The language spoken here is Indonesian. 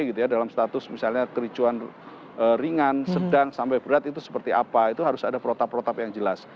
misalnya dalam status misalnya kericuan ringan sedang sampai berat itu seperti apa itu harus ada perotap perotap yang jelas